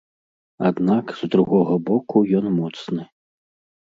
Аднак, з другога боку, ён моцны.